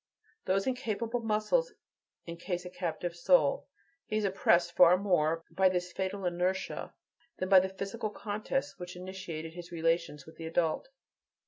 Those incapable muscles encase a captive soul. He is oppressed far more by this fatal inertia than by the physical contests which initiated his relations with the adult.